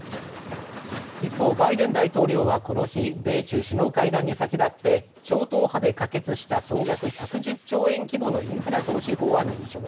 一方、バイデン大統領はこの日、米中首脳会談に先立って超党派で可決した総額１１０兆円規模のインフラ投資法案に署名。